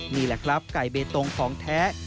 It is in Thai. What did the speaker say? นี่แหละครับไก่เบตงของแท้